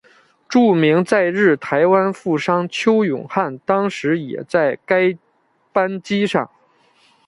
著名在日台湾富商邱永汉当时也在该班机上。